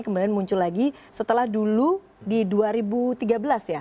kemudian muncul lagi setelah dulu di dua ribu tiga belas ya